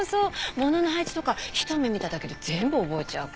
物の配置とか一目見ただけで全部覚えちゃう子。